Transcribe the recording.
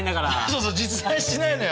そうそう実在しないのよ。